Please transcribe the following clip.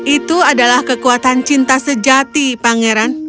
itu adalah kekuatan cinta sejati pangeran